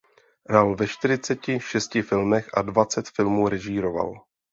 Hrál ve čtyřiceti šesti filmech a dvacet filmů režíroval.